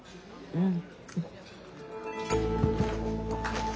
うん。